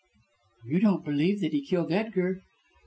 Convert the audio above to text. "You don't believe that he killed Edgar?"